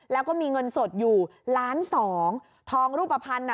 แล้วก็มีเงินสดอยู่ล้านสองทองรูปภัณฑ์น่ะ